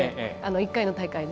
１回の大会で。